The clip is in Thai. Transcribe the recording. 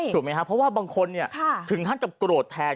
ถูกไหมคะเพราะว่าบางคนถึงท่านจะโกรธแทน